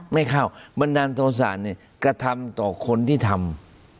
ไม่เข้าบันดาลโทษะเนี่ยกระทำต่อคนที่ทำ